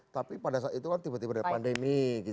tapi pada saat itu kan tiba tiba ada pandemi